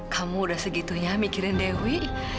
kamu udah segitunya mikirin dewi